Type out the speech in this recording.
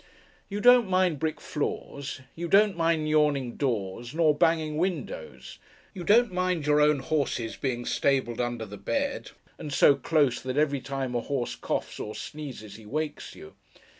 You don't mind brick floors; you don't mind yawning doors, nor banging windows; you don't mind your own horses being stabled under the bed: and so close, that every time a horse coughs or sneezes, he wakes you.